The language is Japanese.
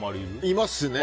いますね。